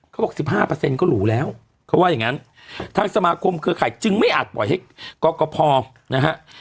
เขาบอก๑๕ก็หรูแล้วเขาว่าอย่างงั้นทางสมาคมเครือข่ายจึงไม่อาจปล่อยให้กรกภนะฮะ